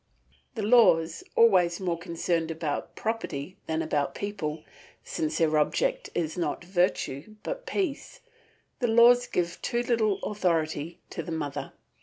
The laws, always more concerned about property than about people, since their object is not virtue but peace, the laws give too little authority to the mother.